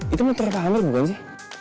itu motor cuanur bukan sih